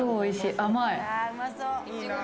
甘い！